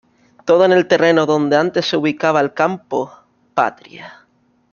Todo en el terreno donde antes se ubicaba el campo Patria.